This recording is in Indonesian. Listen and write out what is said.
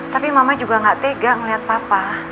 tapi mama juga gak tega ngeliat papa